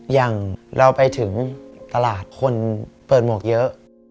อย่างเราไปถึงตลาดคนเปิดหมวกเยอะ